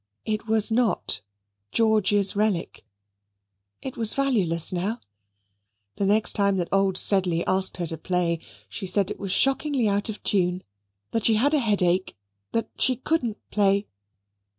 It was not George's relic. It was valueless now. The next time that old Sedley asked her to play, she said it was shockingly out of tune, that she had a headache, that she couldn't play.